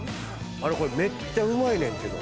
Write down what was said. めっちゃうまいねんけど。